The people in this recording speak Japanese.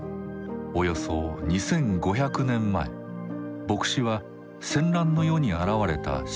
およそ２，５００年前墨子は戦乱の世に現れた思想家です。